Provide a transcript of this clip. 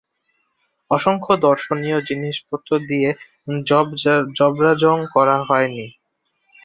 অসংখ্য দর্শনীয় জিনিসপত্র দিয়ে জবড়াজং করা হয় নি।